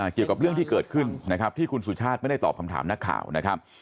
เกี่ยวกับเรื่องที่เกิดขึ้นนะครับที่คุณสุชาติไม่ได้ตอบคำถามนักข่าวนะครับ